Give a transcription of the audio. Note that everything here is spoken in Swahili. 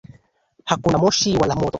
Hakuna moshi wala moto.